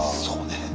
そうね。